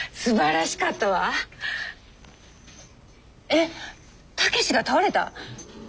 えっ武志が倒れた！？